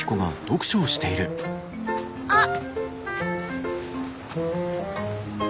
あっ。